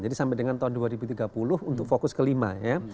jadi sampai dengan tahun dua ribu tiga puluh untuk fokus kelima ya